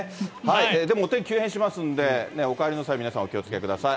でもお天気急変しますんで、お帰りの際、皆さん、お気をつけください。